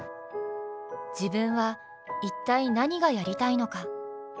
自分は一体何がやりたいのか。